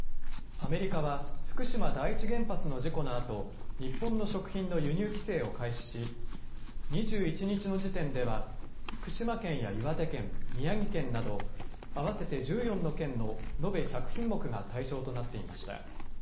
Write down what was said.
アメリカは、福島第一原発の事故のあと、日本の食品の輸入規制を開始し、２１日の時点では、福島県や岩手県、宮城県など、合わせて１４の県の延べ１００品目が対象となっていました。